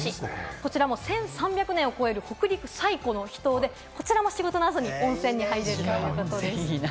こちらも１３００年を超える北陸最古の秘湯で、こちらも仕事の後に温泉に入ることができるそうです。